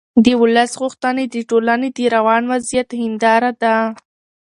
د ولس غوښتنې د ټولنې د روان وضعیت هنداره ده